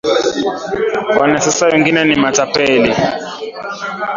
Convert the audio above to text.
Wanasiasa wengine ni matepeli